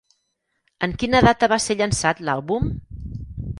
En quina data va ser llançat l'àlbum?